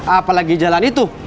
apalagi jalan itu